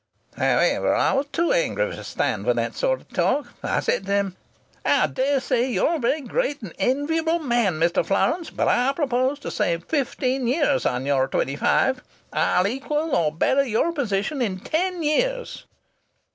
"However, I was too angry to stand for that sort of talk. I said to him: "'I daresay you're a very great and enviable man, Mr. Florance, but I propose to save fifteen years on your twenty five. I'll equal or better your position in ten years.'